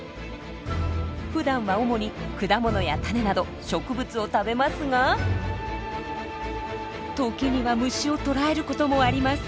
ふだんは主に果物や種など植物を食べますが時には虫を捕らえることもあります。